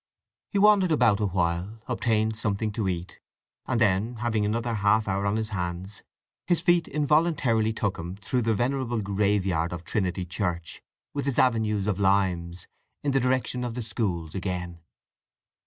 He wandered about awhile, obtained something to eat; and then, having another half hour on his hands, his feet involuntarily took him through the venerable graveyard of Trinity Church, with its avenues of limes, in the direction of the schools again.